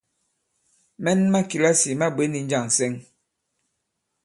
Mɛn ma kìlasì ma bwě ndi njâŋ ǹsɛŋ?